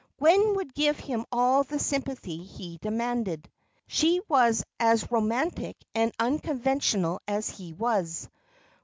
Gwen would give him all the sympathy he demanded; she was as romantic and unconventional as he was.